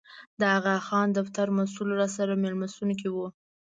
د اغاخان دفتر مسوول راسره مېلمستون کې و.